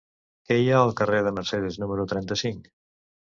Què hi ha al carrer de Mercedes número trenta-cinc?